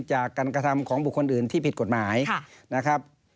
จากการกระทำของบุคคลอื่นที่ผิดกฎหมายนะครับ